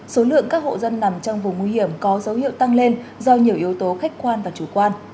số lượng các hộ dân nằm trong vùng nguy hiểm có dấu hiệu tăng lên do nhiều yếu tố khách quan và chủ quan